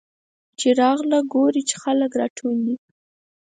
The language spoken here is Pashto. چې راغله ګوري چې خلک راټول دي.